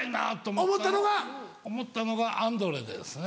思ったのがアンドレですね。